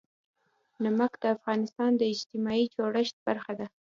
نمک د افغانستان د اجتماعي جوړښت برخه ده.